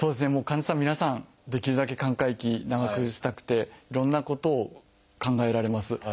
患者さん皆さんできるだけ寛解期長くしたくていろんなことを考えられます。